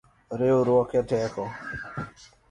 Riuruok eteko.